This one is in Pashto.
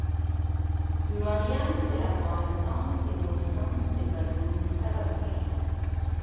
یورانیم د افغانستان د موسم د بدلون سبب کېږي.